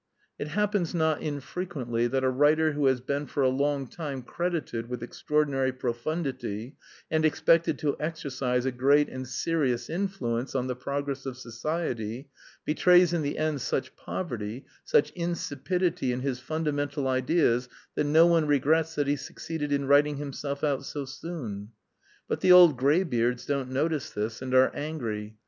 It happens not infrequently that a writer who has been for a long time credited with extraordinary profundity and expected to exercise a great and serious influence on the progress of society, betrays in the end such poverty, such insipidity in his fundamental ideas that no one regrets that he succeeded in writing himself out so soon. But the old grey beards don't notice this, and are angry.